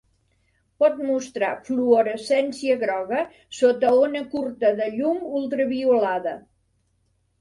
Pot mostrar fluorescència groga sota ona curta de llum ultraviolada.